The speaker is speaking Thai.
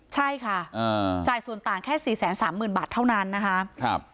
ใช่ค่ะจ่ายส่วนต่างแค่๔๓๐๐๐บาทเท่านั้นนะคะ